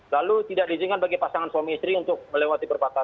lalu tidak diizinkan bagi pasangan suami istri untuk melewati perbatasan